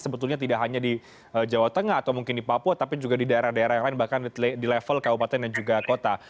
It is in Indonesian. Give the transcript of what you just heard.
sebetulnya tidak hanya di jawa tengah atau mungkin di papua tapi juga di daerah daerah yang lain bahkan di level kabupaten dan juga kota